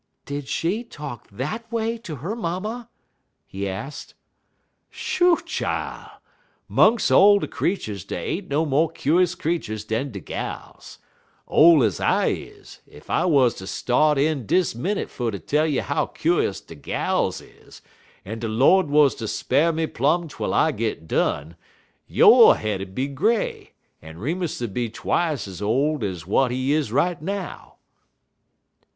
"Did she talk that way to her mamma?" he asked. "Shoo, chile! 'Mungs' all de creeturs dey ain't no mo' kuse creeturs dan de gals. Ole ez I is, ef I wuz ter start in dis minnit fer ter tell you how kuse de gals is, en de Lord wuz ter spar' me plum twel I git done, yo' head 'ud be gray, en Remus 'ud be des twice t ez ole ez w'at he is right now."